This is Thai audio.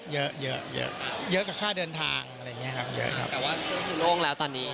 แต่ว่าเกิดถึงโล่งแล้วตอนนี้